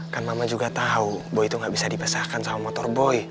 kan mama juga tau boy itu gak bisa dibesarkan sama motor boy